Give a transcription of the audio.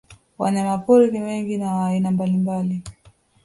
Wanyamapori ni wengi na wa aina mbalimbali